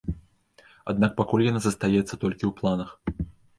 Аднак пакуль яна застаецца толькі ў планах.